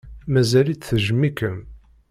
Mazal-itt tejjem-ikem.